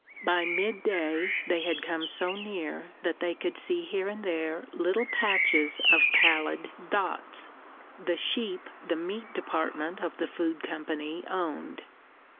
By midday they had come so near that they could see here and there little patches of pallid dots the sheep the Meat Department of the Food Company owned.